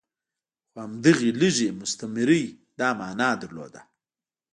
خو همدغې لږې مستمرۍ دا معنی درلوده.